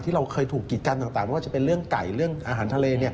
เราเคยถูกกิจกันต่างไม่ว่าจะเป็นเรื่องไก่เรื่องอาหารทะเล